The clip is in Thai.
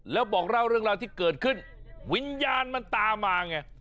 แล้วบอกเล่าเรื่องราวที่เกิดขึ้นวิญญาณมันตามมาไง